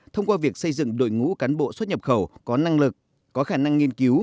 thông qua việc xây dựng đội ngũ cán bộ xuất nhập khẩu có năng lực có khả năng nghiên cứu